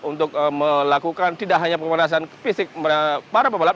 untuk melakukan tidak hanya pemanasan fisik para pembalap